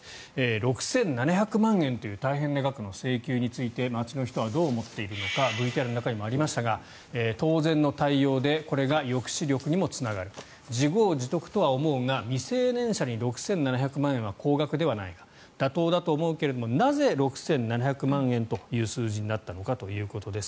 ６７００万円という大変な額の請求について街の人はどう思っているのかＶＴＲの中にもありましたが当然の対応でこれが抑止力にもつながる自業自得とは思うが未成年者に６７００万円は高額ではないか妥当だと思うけれどなぜ６７００万円という数字になったのかということです。